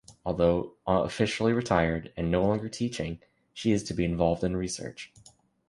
Although officially retired and no longer teaching, she to be involved in research.